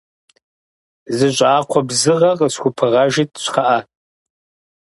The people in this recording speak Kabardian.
Зы щӏакхъуэ бзыгъэ къысхупыгъэжыт, кхъыӏэ.